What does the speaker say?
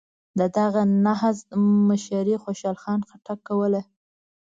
د دغه نهضت مشري خوشحال خان خټک کوله.